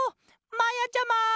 まやちゃま！